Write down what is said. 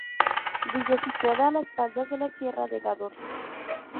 Villa situada a las faldas de la Sierra de Gádor.